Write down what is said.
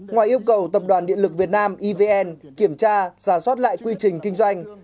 ngoài yêu cầu tập đoàn điện lực việt nam evn kiểm tra giả soát lại quy trình kinh doanh